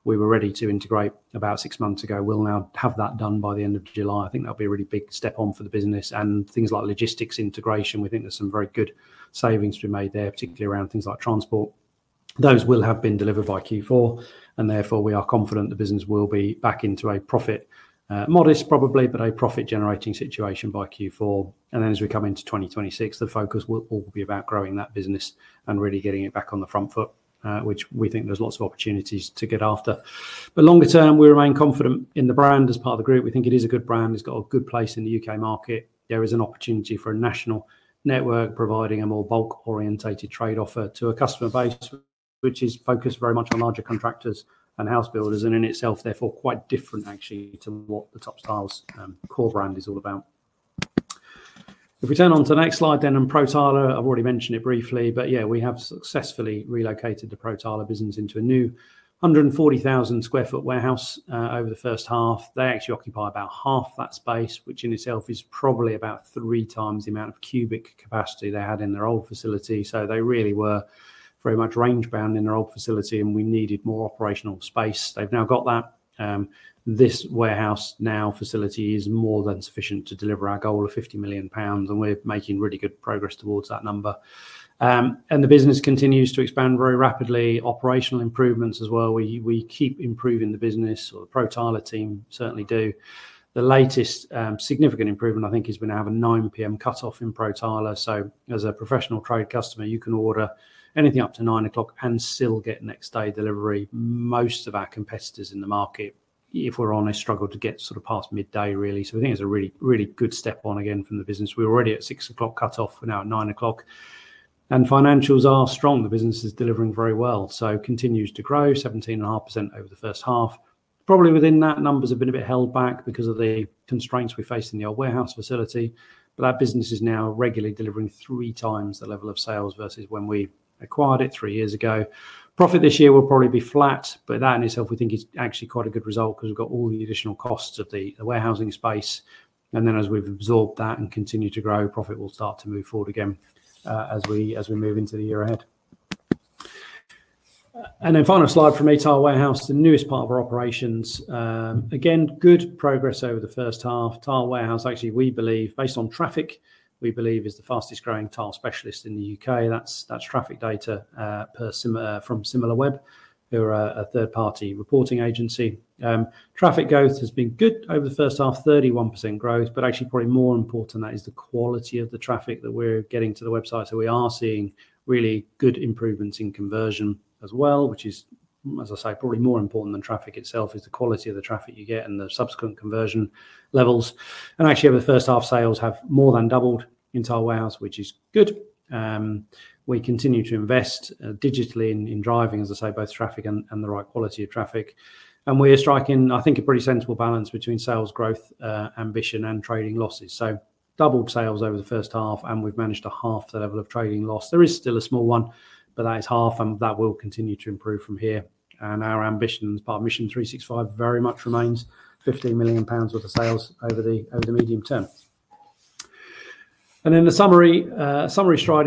we were ready to integrate about six months ago, we'll now have that done by the end of July. I think that'll be a really big step on for the business. Things like logistics integration, we think there's some very good savings to be made there, particularly around things like transport. Those will have been delivered by Q4, and therefore we are confident the business will be back into a profit, modest probably, but a profit generating situation by Q4. As we come into 2026, the focus will all be about growing that business and really getting it back on the front foot, which we think there's lots of opportunities to get after. Longer term, we remain confident in the brand as part of the group. We think it is a good brand. It's got a good place in the U.K. market. There is an opportunity for a national network providing a more bulk orientated trade offer to a customer base, which is focused very much on larger contractors and house builders, and in itself therefore quite different actually to what the Topps Tiles core brand is all about. If we turn on to the next slide then and ProTiler, I've already mentioned it briefly, but yeah, we have successfully relocated the ProTiler business into a new 140,000 sq ft warehouse over the first half. They actually occupy about half that space, which in itself is probably about three times the amount of cubic capacity they had in their old facility. They really were very much range bound in their old facility, and we needed more operational space. They've now got that. This warehouse facility is more than sufficient to deliver our goal of 50 million pounds, and we're making really good progress towards that number. The business continues to expand very rapidly. Operational improvements as well. We keep improving the business, or the ProTiler team certainly do. The latest significant improvement, I think, is we now have a 9:00 P.M. cutoff in ProTiler. As a professional trade customer, you can order anything up to 9:00 and still get next day delivery. Most of our competitors in the market, if we're honest, struggle to get sort of past midday really. We think it's a really, really good step on again from the business. We were already at a 6:00 cutoff, we're now at 9:00. Financials are strong. The business is delivering very well. It continues to grow 17.5% over the first half. Probably within that, numbers have been a bit held back because of the constraints we face in the old warehouse facility, but that business is now regularly delivering three times the level of sales versus when we acquired it three years ago. Profit this year will probably be flat, but that in itself we think is actually quite a good result because we've got all the additional costs of the warehousing space. As we've absorbed that and continue to grow, profit will start to move forward again as we move into the year ahead. Final slide from Tile Warehouse, the newest part of our operations. Again, good progress over the first half. Tile Warehouse, actually we believe, based on traffic, we believe is the fastest growing tile specialist in the U.K. That's traffic data from SimilarWeb, who are a third party reporting agency. Traffic growth has been good over the first half, 31% growth, but actually probably more important than that is the quality of the traffic that we're getting to the website. We are seeing really good improvements in conversion as well, which is, as I say, probably more important than traffic itself, is the quality of the traffic you get and the subsequent conversion levels. Actually over the first half, sales have more than doubled in Tile Warehouse, which is good. We continue to invest digitally in driving, as I say, both traffic and the right quality of traffic. We are striking, I think, a pretty sensible balance between sales growth, ambition, and trading losses. Doubled sales over the first half, and we've managed to halve the level of trading loss. There is still a small one, but that is half, and that will continue to improve from here. Our ambitions, part of Mission 365, very much remains 15 million pounds worth of sales over the medium term. The summary slide,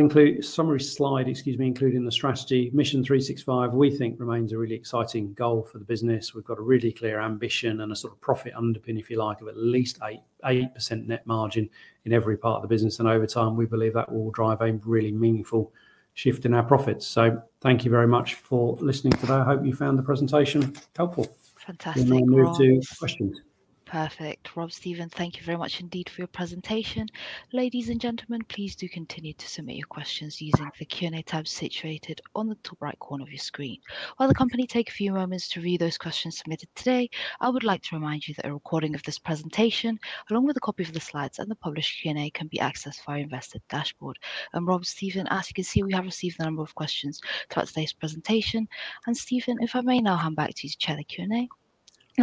excuse me, including the strategy, Mission 365, we think remains a really exciting goal for the business. We have got a really clear ambition and a sort of profit underpin, if you like, of at least 8% net margin in every part of the business. Over time, we believe that will drive a really meaningful shift in our profits. Thank you very much for listening today. I hope you found the presentation helpful. Fantastic. We will now move to questions. Perfect. Rob, Stephen, thank you very much indeed for your presentation. Ladies and gentlemen, please do continue to submit your questions using the Q&A tab situated on the top right corner of your screen. While the company takes a few moments to review those questions submitted today, I would like to remind you that a recording of this presentation, along with a copy of the slides and the published Q&A, can be accessed via our invested dashboard. Rob, Stephen, as you can see, we have received a number of questions throughout today's presentation. Stephen, if I may now hand back to you to chair the Q&A, and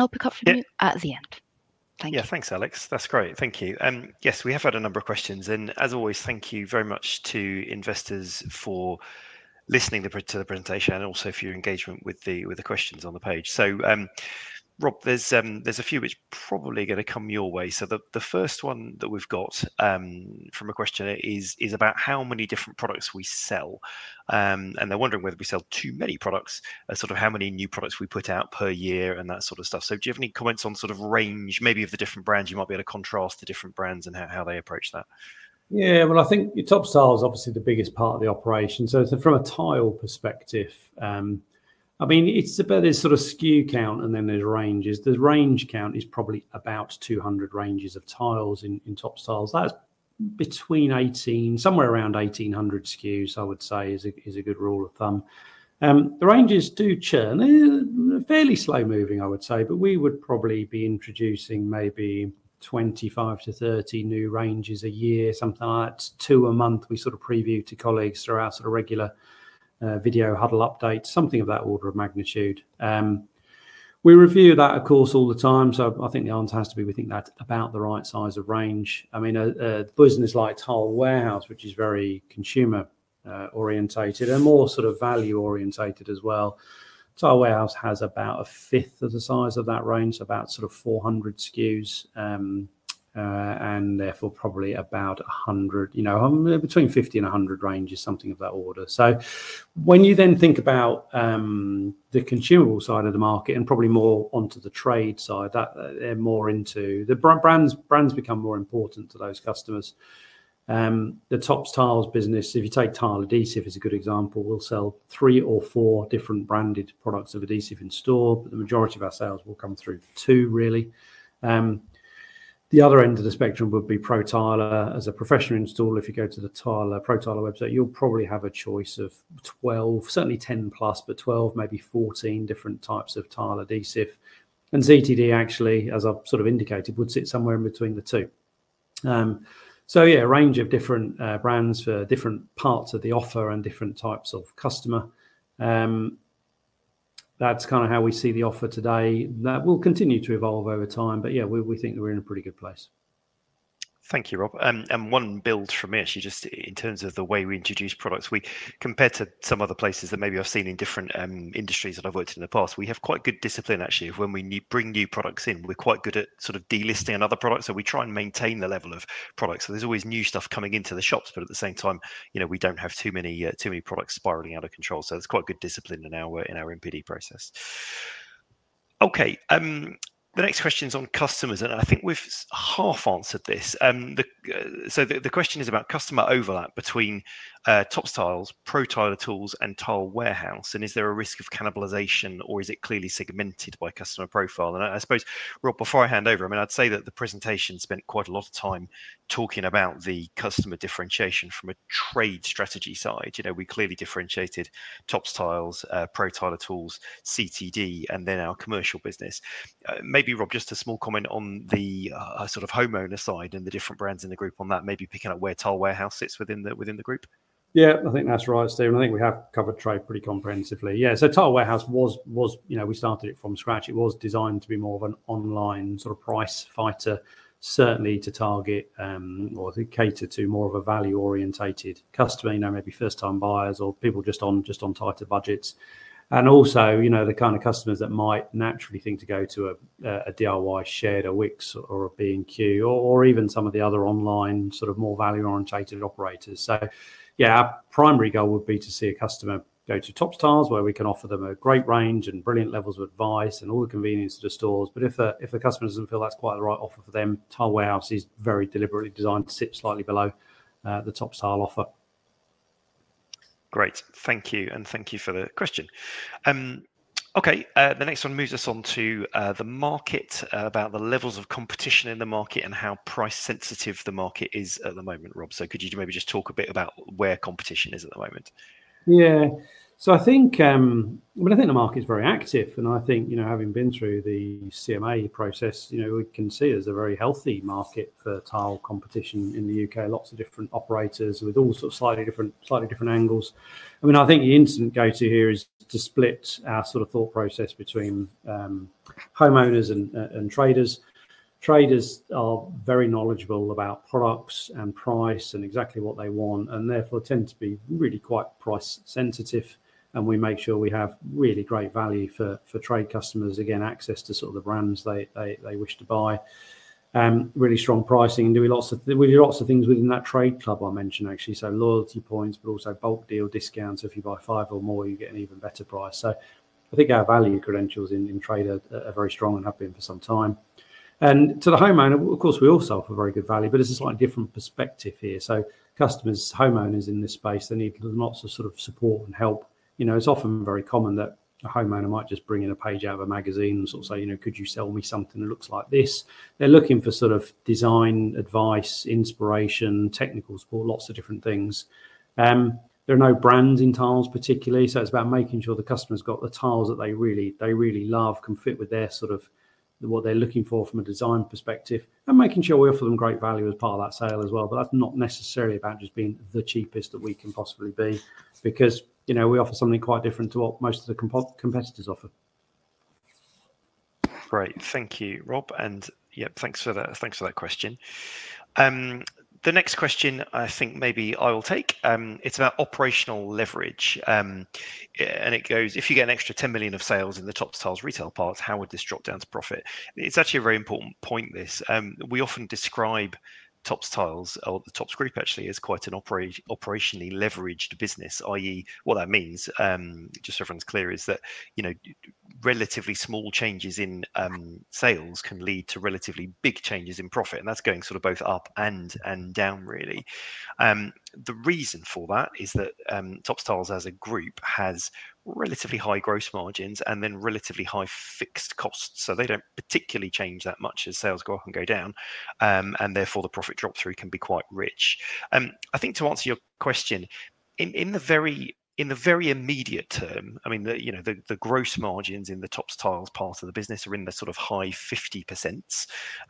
I'll pick up from you at the end. Thank you. Yeah, thanks, Alex. That's great. Thank you. Yes, we have had a number of questions. As always, thank you very much to investors for listening to the presentation and also for your engagement with the questions on the page. Rob, there are a few which probably are going to come your way. The first one that we have from a question is about how many different products we sell. They are wondering whether we sell too many products, sort of how many new products we put out per year and that sort of stuff. Do you have any comments on sort of range, maybe of the different brands? You might be able to contrast the different brands and how they approach that. Yeah, I think Topps Tiles is obviously the biggest part of the operation. From a tile perspective, I mean, it is about this sort of SKU count and then there are ranges. The range count is probably about 200 ranges of tiles in Topps Tiles. That is between 18, somewhere around 1,800 SKUs, I would say, is a good rule of thumb. The ranges do churn. They're fairly slow moving, I would say, but we would probably be introducing maybe 25-30 new ranges a year, something like that, two a month. We sort of preview to colleagues through our sort of regular video huddle updates, something of that order of magnitude. We review that, of course, all the time. I think the answer has to be, we think that's about the right size of range. I mean, a business like Tile Warehouse, which is very consumer orientated and more sort of value orientated as well, Tile Warehouse has about a fifth of the size of that range, about sort of 400 SKUs, and therefore probably about 100, you know, between 50 and 100 ranges, something of that order. When you then think about the consumable side of the market and probably more onto the trade side, they're more into the brands, brands become more important to those customers. The Topps Tiles business, if you take tile adhesive as a good example, we'll sell three or four different branded products of adhesive in store, but the majority of our sales will come through two, really. The other end of the spectrum would be ProTiler as a professional installer. If you go to the ProTiler website, you'll probably have a choice of 12, certainly 10 plus, but 12, maybe 14 different types of tile adhesive. And CTD, actually, as I've sort of indicated, would sit somewhere in between the two. A range of different brands for different parts of the offer and different types of customer. That's kind of how we see the offer today. That will continue to evolve over time, but yeah, we think that we're in a pretty good place. Thank you, Rob. And one build from me, actually, just in terms of the way we introduce products, we compare to some other places that maybe I've seen in different industries that I've worked in the past. We have quite good discipline, actually, of when we bring new products in. We're quite good at sort of delisting another product, so we try and maintain the level of products. So, there's always new stuff coming into the shops, but at the same time, you know, we don't have too many products spiraling out of control. So, that's quite good discipline in our MPD process. Okay, the next question is on customers, and I think we've half answered this. The question is about customer overlap between Topps Tiles, ProTiler Tools, and Tile Warehouse, and is there a risk of cannibalization or is it clearly segmented by customer profile? I suppose, Rob, before I hand over, I'd say that the presentation spent quite a lot of time talking about the customer differentiation from a trade strategy side. You know, we clearly differentiated Topps Tiles, ProTiler Tools, CTD, and then our commercial business. Maybe, Rob, just a small comment on the sort of homeowner side and the different brands in the group on that, maybe picking up where Tile Warehouse sits within the group. Yeah, I think that's right, Stephen. I think we have covered trade pretty comprehensively. Yeah, so Tile Warehouse was, you know, we started it from scratch. It was designed to be more of an online sort of price fighter, certainly to target or to cater to more of a value orientated customer, you know, maybe first time buyers or people just on tighter budgets. Also, you know, the kind of customers that might naturally think to go to a DIY shed or Wickes or a B&Q or even some of the other online sort of more value orientated operators. Yeah, our primary goal would be to see a customer go to Topps Tiles, where we can offer them a great range and brilliant levels of advice and all the convenience to the stores. If a customer does not feel that is quite the right offer for them, Tile Warehouse is very deliberately designed to sit slightly below the Topps Tiles offer. Great, thank you, and thank you for the question. Okay, the next one moves us on to the market, about the levels of competition in the market and how price sensitive the market is at the moment, Rob. Could you maybe just talk a bit about where competition is at the moment? Yeah, I think, I mean, I think the market is very active, and I think, you know, having been through the CMA process, you know, we can see there's a very healthy market for tile competition in the U.K. Lots of different operators with all sort of slightly different angles. I mean, I think the instinct to go to here is to split our sort of thought process between homeowners and traders. Traders are very knowledgeable about products and price and exactly what they want, and therefore tend to be really quite price sensitive. We make sure we have really great value for trade customers, again, access to sort of the brands they wish to buy, really strong pricing, and we do lots of things within that trade club I mentioned actually. Loyalty points, but also bulk deal discounts. If you buy five or more, you get an even better price. I think our value credentials in trade are very strong and have been for some time. To the homeowner, of course, we also offer very good value, but it's a slightly different perspective here. Customers, homeowners in this space, they need lots of sort of support and help. You know, it's often very common that a homeowner might just bring in a page out of a magazine and sort of say, you know, could you sell me something that looks like this? They're looking for sort of design advice, inspiration, technical support, lots of different things. There are no brands in tiles particularly, so it's about making sure the customer's got the tiles that they really love, can fit with their sort of what they're looking for from a design perspective, and making sure we offer them great value as part of that sale as well. That is not necessarily about just being the cheapest that we can possibly be, because, you know, we offer something quite different to what most of the competitors offer. Great, thank you, Rob. Yeah, thanks for that question. The next question, I think maybe I will take, it's about operational leverage. It goes, if you get an extra 10 million of sales in the Topps Tiles retail parts, how would this drop down to profit? It's actually a very important point this. We often describe Topps Tiles or the Topps Group actually as quite an operationally leveraged business, i.e., what that means, just so everyone's clear, is that, you know, relatively small changes in sales can lead to relatively big changes in profit, and that's going sort of both up and down really. The reason for that is that Topps Tiles as a group has relatively high gross margins and then relatively high fixed costs. They do not particularly change that much as sales go up and go down, and therefore the profit drop through can be quite rich. I think to answer your question, in the very immediate term, I mean, you know, the gross margins in the Topps Tiles part of the business are in the sort of high 50%.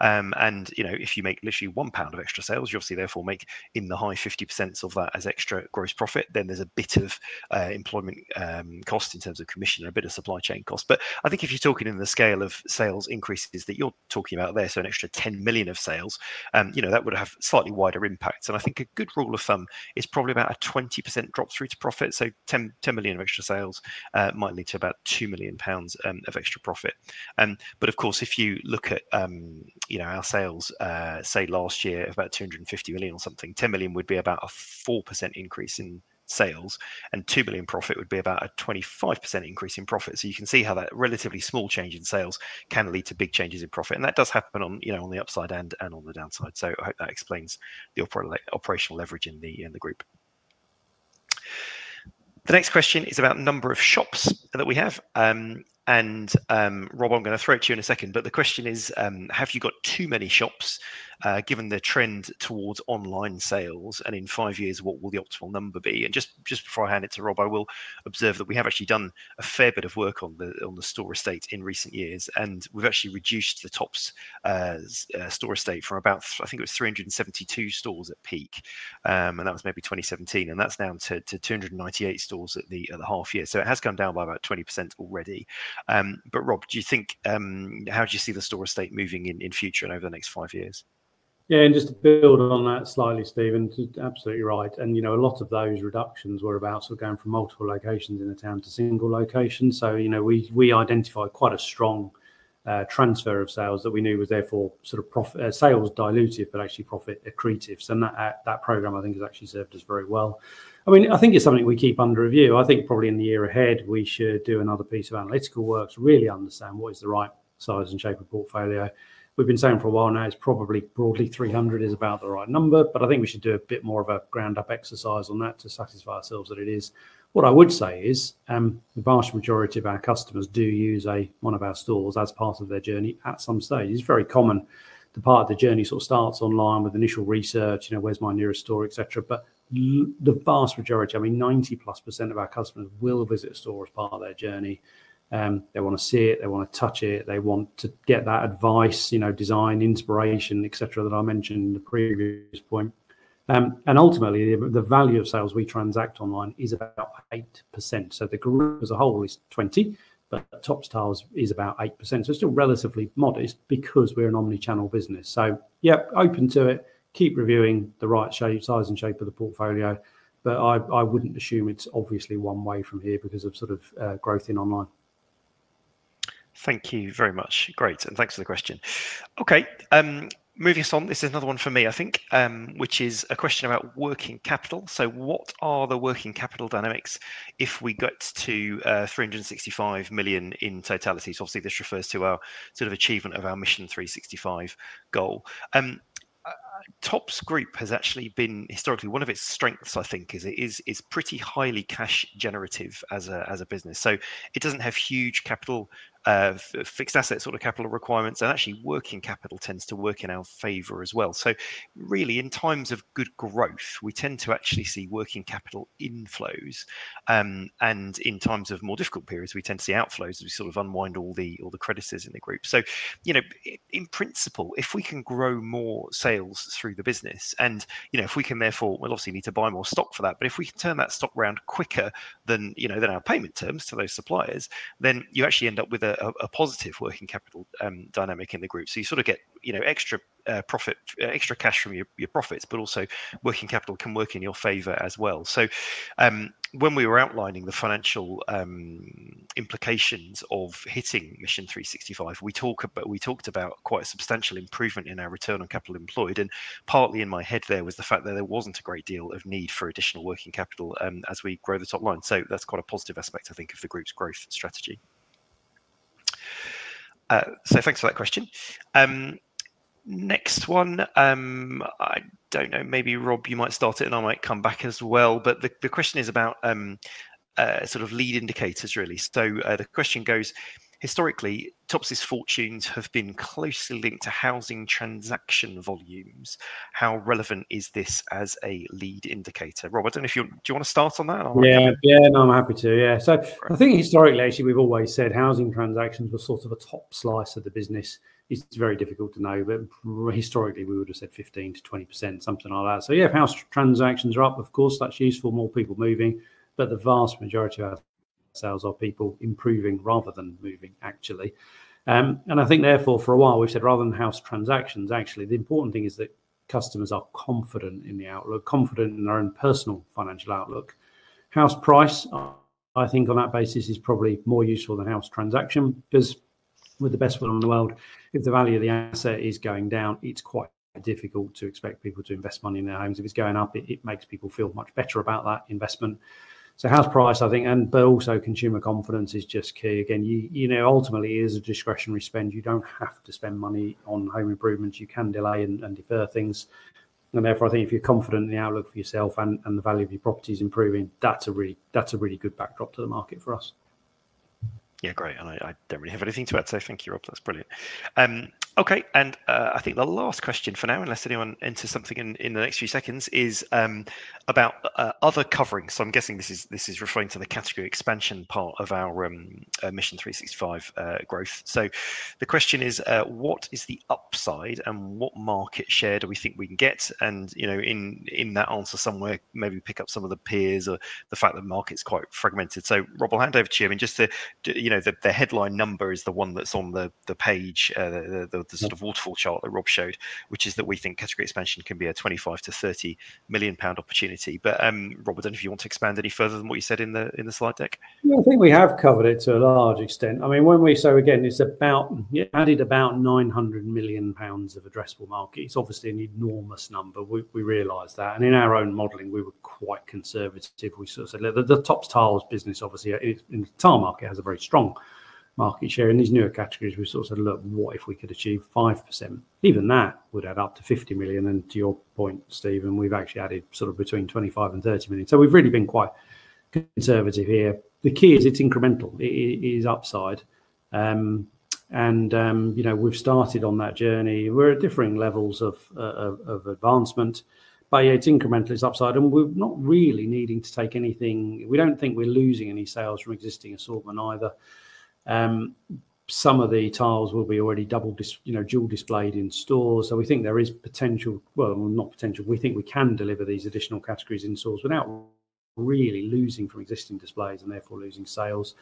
You know, if you make literally one pound of extra sales, you obviously therefore make in the high 50% of that as extra gross profit, then there's a bit of employment cost in terms of commission and a bit of supply chain cost. I think if you're talking in the scale of sales increases that you're talking about there, an extra 10 million of sales, you know, that would have slightly wider impacts. I think a good rule of thumb is probably about a 20% drop through to profit. 10 million of extra sales might lead to about 2 million pounds of extra profit. Of course, if you look at our sales, say last year, about 250 million or something, 10 million would be about a 4% increase in sales, and 2 million profit would be about a 25% increase in profit. You can see how that relatively small change in sales can lead to big changes in profit. That does happen on, you know, on the upside and on the downside. I hope that explains the operational leverage in the group. The next question is about the number of shops that we have. Rob, I'm going to throw it to you in a second, but the question is, have you got too many shops given the trend towards online sales? In five years, what will the optimal number be? Just before I hand it to Rob, I will observe that we have actually done a fair bit of work on the store estate in recent years, and we have actually reduced the Topps store estate from about, I think it was 372 stores at peak, and that was maybe 2017, and that is down to 298 stores at the half year. It has come down by about 20% already. Rob, do you think, how do you see the store estate moving in future and over the next five years? Yeah, and just to build on that slightly, Stephen, absolutely right. A lot of those reductions were about sort of going from multiple locations in a town to single location. We identified quite a strong transfer of sales that we knew was therefore sort of profit sales dilutive, but actually profit accretive. That program, I think, has actually served us very well. I mean, I think it's something we keep under review. I think probably in the year ahead, we should do another piece of analytical work to really understand what is the right size and shape of portfolio. We've been saying for a while now, it's probably broadly 300 is about the right number, but I think we should do a bit more of a ground up exercise on that to satisfy ourselves that it is. What I would say is the vast majority of our customers do use one of our stores as part of their journey at some stage. It's very common. The part of the journey sort of starts online with initial research, you know, where's my nearest store, etc. But the vast majority, I mean, 90 plus % of our customers will visit a store as part of their journey. They want to see it, they want to touch it, they want to get that advice, you know, design, inspiration, etc. that I mentioned in the previous point. Ultimately, the value of sales we transact online is about 8%. The group as a whole is 20%, but Topps Tiles is about 8%. It is still relatively modest because we are an omnichannel business. Yeah, open to it, keep reviewing the right size and shape of the portfolio, but I would not assume it is obviously one way from here because of sort of growth in online. Thank you very much. Great, and thanks for the question. Okay, moving on, this is another one for me, I think, which is a question about working capital. What are the working capital dynamics if we get to 365 million in totality? Obviously, this refers to our sort of achievement of our Mission 365 goal. Topps Group has actually been, historically, one of its strengths, I think, is it is pretty highly cash generative as a business. It does not have huge capital, fixed asset sort of capital requirements, and actually working capital tends to work in our favor as well. Really, in times of good growth, we tend to actually see working capital inflows, and in times of more difficult periods, we tend to see outflows as we sort of unwind all the creditors in the group. You know, in principle, if we can grow more sales through the business, and you know, if we can therefore, we'll obviously need to buy more stock for that, but if we can turn that stock around quicker than, you know, than our payment terms to those suppliers, then you actually end up with a positive working capital dynamic in the group. You sort of get, you know, extra profit, extra cash from your profits, but also working capital can work in your favor as well. When we were outlining the financial implications of hitting Mission 365, we talked about quite a substantial improvement in our return on capital employed, and partly in my head there was the fact that there was not a great deal of need for additional working capital as we grow the top line. That is quite a positive aspect, I think, of the group's growth strategy. Thanks for that question. Next one, I do not know, maybe Rob, you might start it and I might come back as well, but the question is about sort of lead indicators really. The question goes, historically, Topps's fortunes have been closely linked to housing transaction volumes. How relevant is this as a lead indicator? Rob, I do not know if you want to start on that? Yeah, yeah, no, I am happy to. Yeah, I think historically, actually, we have always said housing transactions were sort of a top slice of the business. It is very difficult to know, but historically, we would have said 15-20%, something like that. Yeah, if house transactions are up, of course, that's useful, more people moving, but the vast majority of our sales are people improving rather than moving, actually. I think therefore, for a while, we've said rather than house transactions, actually, the important thing is that customers are confident in the outlook, confident in their own personal financial outlook. House price, I think on that basis, is probably more useful than house transaction because, with the best will in the world, if the value of the asset is going down, it's quite difficult to expect people to invest money in their homes. If it's going up, it makes people feel much better about that investment. House price, I think, but also consumer confidence is just key. Again, you know, ultimately, it is a discretionary spend. You don't have to spend money on home improvements. You can delay and defer things. Therefore, I think if you're confident in the outlook for yourself and the value of your property is improving, that's a really good backdrop to the market for us. Yeah, great. I don't really have anything to add, so thank you, Rob. That's brilliant. I think the last question for now, unless anyone enters something in the next few seconds, is about other covering. I'm guessing this is referring to the category expansion part of our Mission 365 growth. The question is, what is the upside and what market share do we think we can get? You know, in that answer somewhere, maybe pick up some of the peers or the fact that the market's quite fragmented. Rob, I'll hand over to you. I mean, just to, you know, the headline number is the one that is on the page, the sort of waterfall chart that Rob showed, which is that we think category expansion can be a 25 million-30 million pound opportunity. Rob, I do not know if you want to expand any further than what you said in the slide deck. Yeah, I think we have covered it to a large extent. I mean, when we, so again, it is about, you added about 900 million pounds of addressable market. It is obviously an enormous number. We realize that. And in our own modeling, we were quite conservative. We sort of said the Topps Tiles business, obviously, in the tile market has a very strong market share. In these newer categories, we sort of said, look, what if we could achieve 5%? Even that would add up to 50 million. To your point, Stephen, we've actually added sort of between 25 million and 30 million. We've really been quite conservative here. The key is it's incremental. It is upside. You know, we've started on that journey. We're at differing levels of advancement, but yeah, it's incremental. It's upside. We're not really needing to take anything. We don't think we're losing any sales from existing assortment either. Some of the tiles will be already double dual displayed in stores. We think there is potential, well, not potential. We think we can deliver these additional categories in stores without really losing from existing displays and therefore losing sales.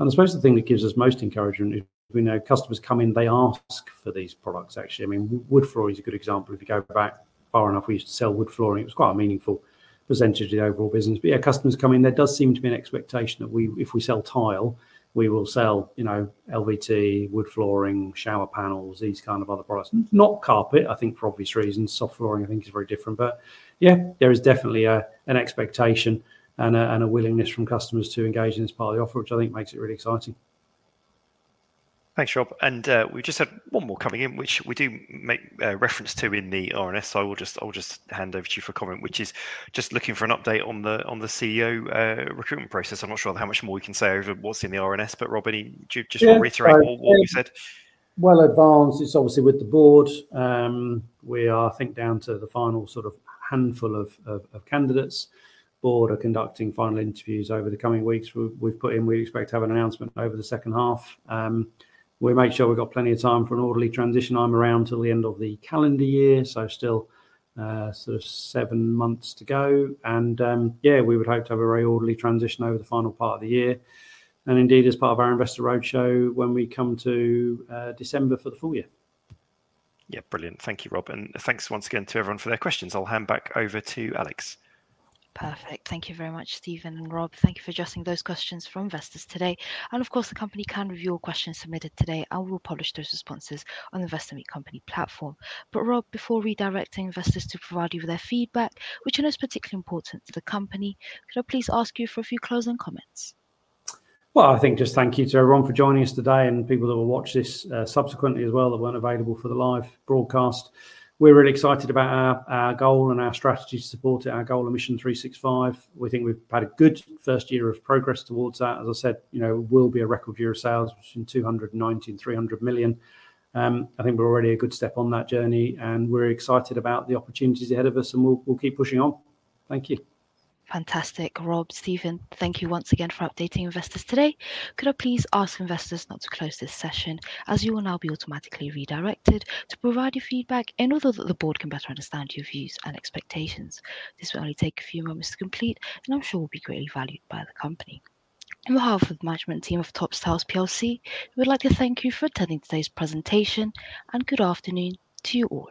I suppose the thing that gives us most encouragement is we know customers come in, they ask for these products, actually. I mean, wood flooring is a good example. If you go back far enough, we used to sell wood flooring. It was quite a meaningful percentage of the overall business. Yeah, customers come in. There does seem to be an expectation that if we sell tile, we will sell, you know, LVT, wood flooring, shower panels, these kind of other products. Not carpet, I think for obvious reasons. Soft flooring, I think, is very different. Yeah, there is definitely an expectation and a willingness from customers to engage in this part of the offer, which I think makes it really exciting. Thanks, Rob. We just had one more coming in, which we do make reference to in the R&S. I will just hand over to you for a comment, which is just looking for an update on the CEO recruitment process. I'm not sure how much more we can say over what's in the R&S, but Rob, any just want to reiterate what we said? In advance, it's obviously with the board. We are, I think, down to the final sort of handful of candidates. Board are conducting final interviews over the coming weeks. We've put in, we expect to have an announcement over the second half. We make sure we've got plenty of time for an orderly transition. I'm around till the end of the calendar year, so still sort of seven months to go. Yeah, we would hope to have a very orderly transition over the final part of the year. Indeed, as part of our investor roadshow, when we come to December for the full year. Yeah, brilliant. Thank you, Rob. Thanks once again to everyone for their questions. I'll hand back over to Alex. Perfect. Thank you very much, Stephen and Rob. Thank you for addressing those questions from investors today. Of course, the company can review your questions submitted today. I will publish those responses on the Investor Meet Company platform. Rob, before redirecting investors to provide you with their feedback, which I know is particularly important to the company, could I please ask you for a few closing comments? I think just thank you to everyone for joining us today and people that will watch this subsequently as well that were not available for the live broadcast. We are really excited about our goal and our strategy to support it, our goal of mission 365. We think we have had a good first year of progress towards that. As I said, you know, it will be a record year of sales between 290 million-300 million. I think we're already a good step on that journey, and we're excited about the opportunities ahead of us, and we'll keep pushing on. Thank you. Fantastic, Rob. Stephen, thank you once again for updating investors today. Could I please ask investors not to close this session as you will now be automatically redirected to provide your feedback in order that the board can better understand your views and expectations? This will only take a few moments to complete, and I'm sure it will be greatly valued by the company. On behalf of the management team of Topps Tiles, we would like to thank you for attending today's presentation, and good afternoon to you all.